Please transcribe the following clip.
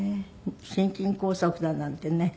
心筋梗塞だなんてね。